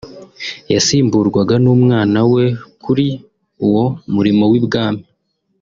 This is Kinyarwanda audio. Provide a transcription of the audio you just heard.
yasimburwaga n’umwana we kuri uwo murimo w’ibwami